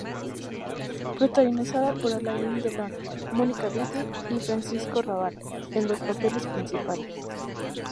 Protagonizada por Alain Delon, Monica Vitti y Francisco Rabal en los papeles principales.